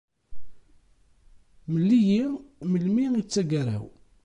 Mel-iyi melmi i d taggara-w.